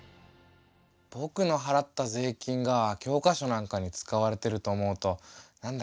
ぼくの払った税金が教科書なんかに使われてると思うとなんだかうれしいなあ。